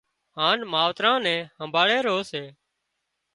هانَ ماوتران نين همڀاۯي رو سي